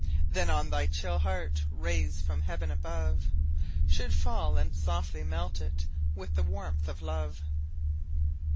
Then on thy chill heart rays from heaven above Should fall, and softly melt it with the warmth of love!